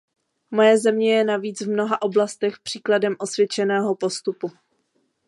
Moje země je navíc v mnoha oblastech příkladem osvědčeného postupu.